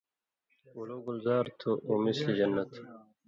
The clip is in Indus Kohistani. گُلو گُلزار تُھو اُو مثلِ جنّت